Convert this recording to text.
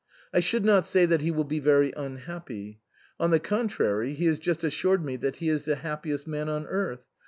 " I should not say that he will be very unhappy. On the contrary, he has just assured me that he is the happiest man on earth.